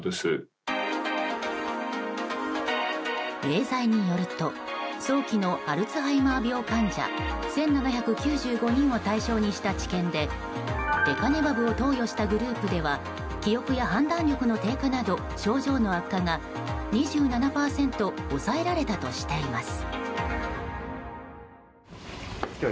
エーザイによると早期のアルツハイマー病患者１７９５人を対象にした治験でレカネマブを投与したグループでは記憶や判断力の低下など症状の悪化が２７％抑えられたとしています。